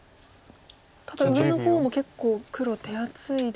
ただ上の方も結構黒手厚いですよね。